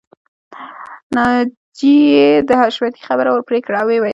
ناجیې د حشمتي خبره ورپرې کړه او ويې ويل